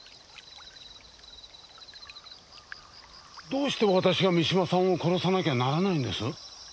どうして私が三島さんを殺さなきゃならないんです？